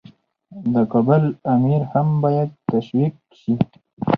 د کابل امیر هم باید تشویق شي.